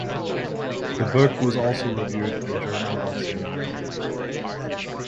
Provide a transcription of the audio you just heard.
The book was also reviewed in German that same year.